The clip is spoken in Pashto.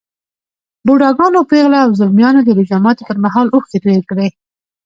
بوډاګانو، پېغلو او ځلمیانو د روژه ماتي پر مهال اوښکې توی کړې.